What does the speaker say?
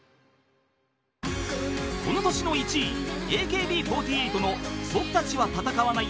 ［この年の１位ＡＫＢ４８の『僕たちは戦わない』］